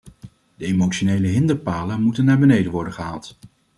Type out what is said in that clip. De emotionele hinderpalen moeten naar beneden worden gehaald.